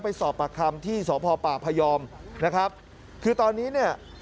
ไปสอบปากคำที่สพปพยอมนะครับคือตอนนี้เนี่ย